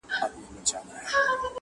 هر توري چي یې زما له شوګیری سره ژړله؛